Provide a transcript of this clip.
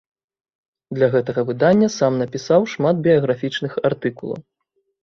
Для гэтага выдання сам напісаў шмат біяграфічных артыкулаў.